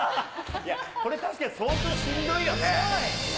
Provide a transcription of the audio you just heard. いや、これ確かに相当しんどいよね。